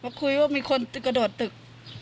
คุยว่ามีคนกระโดดตึก